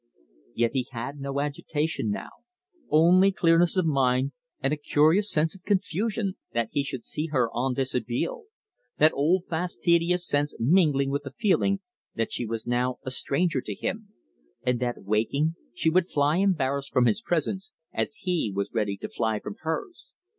Yet he had no agitation now, only clearness of mind and a curious sense of confusion that he should see her en dishabille the old fastidious sense mingling with the feeling that she was now a stranger to him, and that, waking, she would fly embarrassed from his presence, as he was ready to fly from hers.